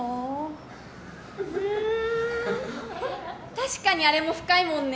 確かにあれも深いもんね。